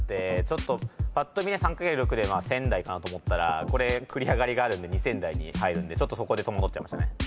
ぱっと見で３×６で１，０００台かなと思ったらこれ繰り上がりがあるんで２，０００台に入るんでそこで戸惑っちゃいましたね。